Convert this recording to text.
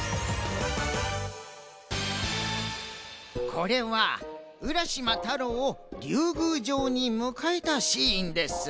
これは浦島太郎をりゅうぐうじょうにむかえたシーンです。